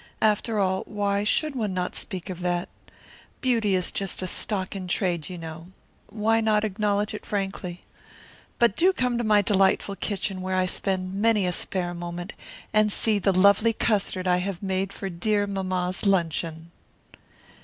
After all, why should one not speak of that? Beauty is just a stock in trade, you know. Why not acknowledge it frankly? But do come to my delightful kitchen, where I spend many a spare moment, and see the lovely custard I have made for dear mamma's luncheon."